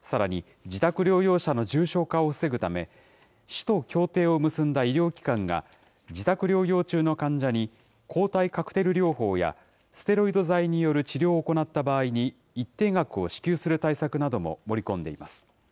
さらに自宅療養者の重症化を防ぐため、市と協定を結んだ医療機関が、自宅療養中の患者に、抗体カクテル療法や、ステロイド剤による治療を行った場合に、一定額を支給する対策なども盛り込んでいます。